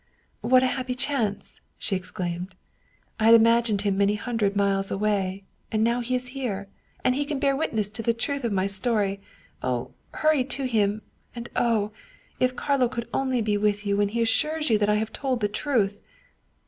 " What a happy chance !" she exclaimed. " I had imagined him many hundred miles away, and now he is here; and he can bear witness to the truth of my story. Oh, hurry to him and oh! if Carlo could only be with you when he assures you that I have told the truth!"